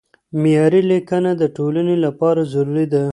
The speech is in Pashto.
معیاري لیکنه د ټولنې لپاره ضروري ده.